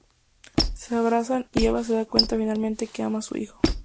Se abrazan, y Eva se da cuenta finalmente que ama a su hijo.